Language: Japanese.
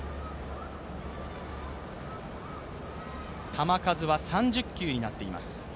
球数は３０球になっています。